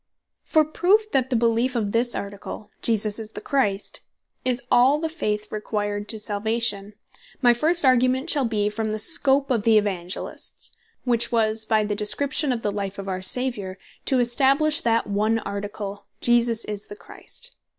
Proved From The Scope Of The Evangelists For Proof that the Beleef of this Article, Jesus Is The Christ, is all the Faith required to Salvation, my first Argument shall bee from the Scope of the Evangelists; which was by the description of the life of our Saviour, to establish that one Article, Jesus Is The Christ.